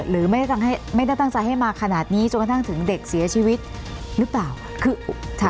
หรือไม่ได้ตั้งใจให้มาขนาดนี้จนกระทั่งถึงเด็กเสียชีวิตหรือเปล่า